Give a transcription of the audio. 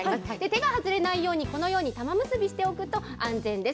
手が外れないように、このように玉結びしておくと安全です。